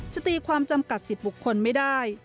ตีความจำกัดสิทธิ์บุคคลไม่ได้